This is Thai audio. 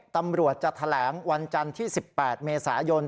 ตำรวจจะแถลงวันจันทร์ที่๑๘เมษายน